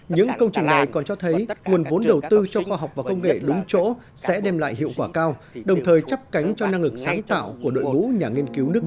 những công trình này còn cho thấy nguồn vốn đầu tư cho khoa học và công nghệ đúng chỗ sẽ đem lại hiệu quả cao đồng thời chấp cánh cho năng lực sáng tạo của đội ngũ nhà nghiên cứu